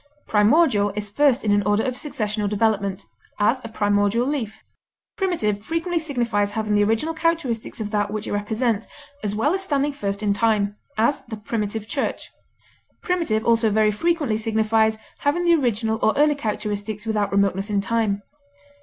Primordial is first in an order of succession or development; as, a primordial leaf. Primitive frequently signifies having the original characteristics of that which it represents, as well as standing first in time; as, the primitive church. Primitive also very frequently signifies having the original or early characteristics without remoteness in time.